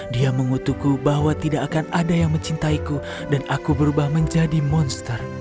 dia mengutukku bahwa tidak akan ada yang mencintaiku dan aku berubah menjadi monster